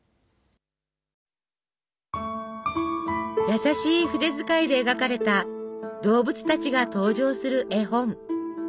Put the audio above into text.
優しい筆遣いで描かれた動物たちが登場する絵本